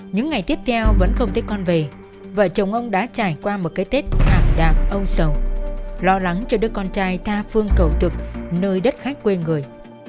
những ngày tiếp theo vẫn không thấy con về và chồng ông đã trải qua một cái tết ảm đạm âu sầu lo lắng cho đứa con trai tha phương cầu thực nơi đất khách quê người